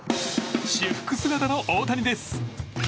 私服姿の大谷です。